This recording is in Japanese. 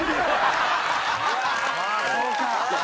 「ああそうか」